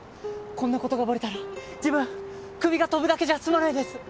こんな事がバレたら自分クビが飛ぶだけじゃ済まないです。